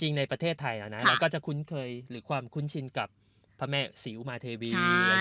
ในประเทศไทยเราก็จะคุ้นเคยหรือความคุ้นชินกับพระแม่ศรีอุมาเทวี